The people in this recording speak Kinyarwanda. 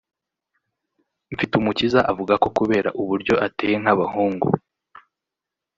Mfitumukiza avuga ko kubera uburyo ateye nk’abahungu